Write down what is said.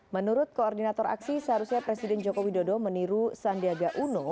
menurut koordinator aksi seharusnya presiden joko widodo meniru sandiaga uno